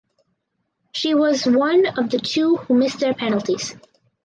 She was one of the two who missed their penalties.